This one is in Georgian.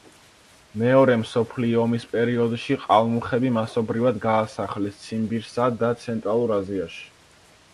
მეორე მსოფლიო ომის პერიოდში ყალმუხები მასობრივად გაასახლეს ციმბირსა და ცენტრალურ აზიაში.